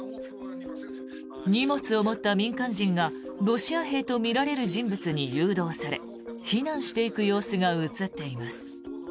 荷物を持った民間人がロシア兵とみられる人物に誘導され避難していく様子が映っています。